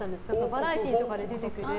バラエティーとかで出てくる。